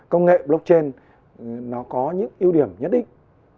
công nghệ blockchain nó có những ưu điểm nhất định